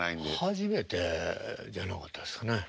初めてじゃなかったですかね。